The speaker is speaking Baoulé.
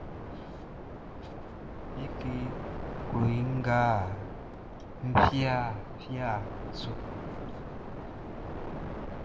Like kloi nʼga fia fai su.